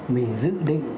mình dự định